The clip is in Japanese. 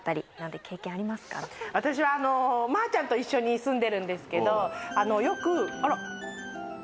私はまーちゃんと一緒に住んでるんですけどよくあら？